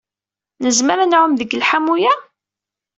Nezmer ad nɛum deg lḥamu-a?